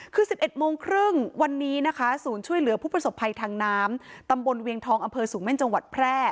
คือ๑๑โมงครึ่งวันนี้นะคะศูนย์ช่วยเหลือผู้ประสบภัยทางน้ำตำบลเวียงทองอำเภอสูงเม่นจังหวัดแพร่